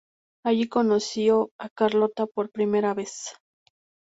Allí, conoció a Carlota por primera vez.